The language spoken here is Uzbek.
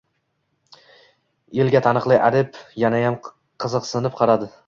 Elga taniqli adibga yanayam qiziqsinib qaradi.